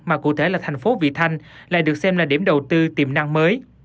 mà cụ thể là thành phố vị thanh lại được xem là điểm đầu tư tiềm năng mới